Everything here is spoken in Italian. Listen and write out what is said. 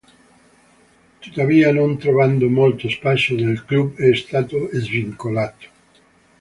Tuttavia, non trovando molto spazio nel club, è stato svincolato.